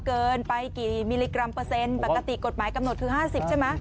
เกินไปกี่มิลลิกรัมเปอร์เซ็นต์ปกติกฎหมายกำหนดคือ๕๐ใช่ไหม